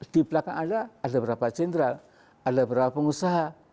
di belakang anda ada berapa jenderal ada berapa pengusaha